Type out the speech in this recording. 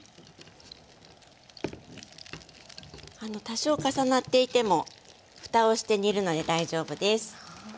多少重なっていてもふたをして煮るので大丈夫です。